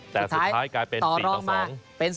แต่สุดท้ายกลายเป็น๔ต่อ๒